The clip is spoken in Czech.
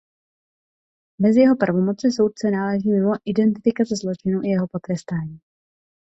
Mezi jeho pravomoce soudce náleží mimo identifikace zločinu i jeho potrestání.